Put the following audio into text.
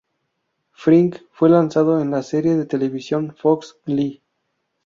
Fink fue lanzado en la serie de televisión Fox, Glee.